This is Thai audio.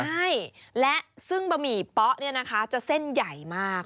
ใช่และซึ่งบะหมี่ป๊อจะเส้นใหญ่มาก